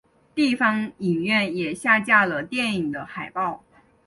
地方影院也下架了电影的海报。